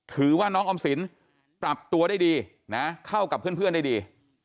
ถือว่าน้องออมสินปรับตัวได้ดีนะเข้ากับเพื่อนได้ดี